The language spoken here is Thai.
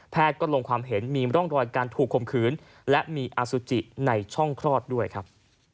ก็ลงความเห็นมีร่องรอยการถูกข่มขืนและมีอสุจิในช่องคลอดด้วยครับ